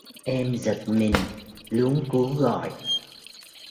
Em giật mình luống cuống gọi